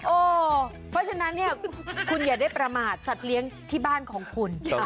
โอ้ควรฉะนั้นคุณอย่าได้ประมาทสัตว์เลี้ยงที่บ้านของคุณ